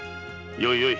よいよい。